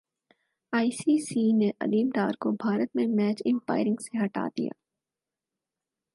ائی C C نے علیم ڈار کو بھارت میں میچ امپائرنگ سے ہٹا دیا